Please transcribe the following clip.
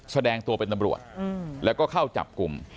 แสดงตัวเป็นตำรวจแล้วก็เข้าจับกลุ่ม